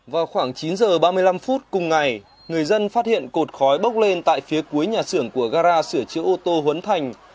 vào khoảng chín h ba mươi năm phút cùng ngày người dân phát hiện cột khói bốc lên tại phía cuối nhà xưởng của gara sửa chữa ô tô huấn thành